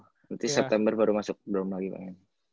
nanti september baru masuk dorm lagi pengen